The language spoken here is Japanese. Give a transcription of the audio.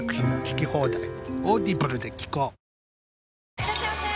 いらっしゃいませ！